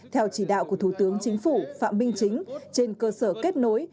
theo chỉ đạo của thủ tướng chính phủ phạm minh chính trên cơ sở kết nối